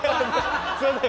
すみません。